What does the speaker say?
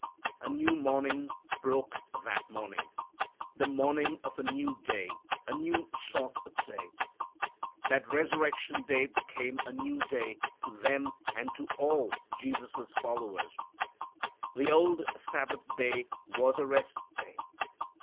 A new morning broke that morning, the morning of a new day, a new sort of day. That resurrection day became a new day to them and to all Jesus' followers. The old Sabbath day was a rest day.